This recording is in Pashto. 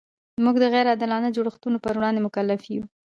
موږ د غیر عادلانه جوړښتونو پر وړاندې مکلف یو.